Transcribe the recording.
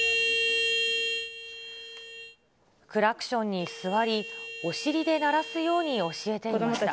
クラクションに座り、お尻で鳴らすように教えていました。